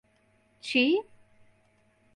چی؟